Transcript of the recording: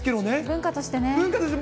文化としてね。